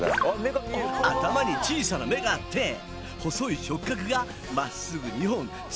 頭に小さな目があって細い触角がまっすぐ２本突き出してる！